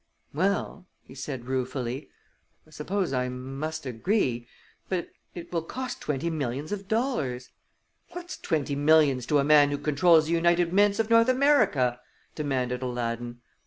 "Well," he said, ruefully, "I suppose I must agree, but it will cost twenty millions of dollars." "What's twenty millions to a man who controls the United Mints of North America?" demanded Aladdin.